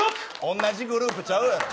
同じグループちゃうやろ。